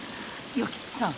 与吉さん